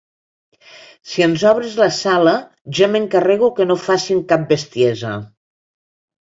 Si ens obres la Sala, ja m'encarrego que no facin cap bestiesa.